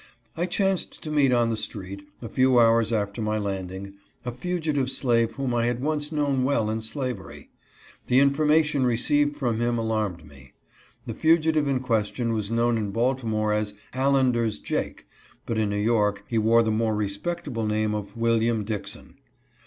I chanced to meet on the street, a few hours after my landing, a fugitive slave whom I had once known well in slavery. The information received from him alarmed me. The fugitive in question was known in Baltimore as " Allender's Jake," but in New York he wore the more respectable name of " William Dixon."